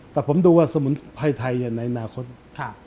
แต่ผมดูว่าสมุนไพรไทยในอนาคต